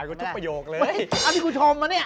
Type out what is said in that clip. ก็คือว่าพี่กูชม